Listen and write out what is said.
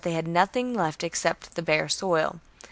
they had nothing left except the bare soil.